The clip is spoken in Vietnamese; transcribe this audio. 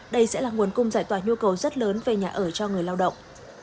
đây sẽ là nguồn cung giải tỏa nhu cầu rất lớn về nhà ở cho người lao động